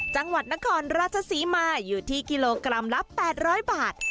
จังหวัดนครราชศรีมาอยู่ที่กิโลกรัมละ๘๐๐บาท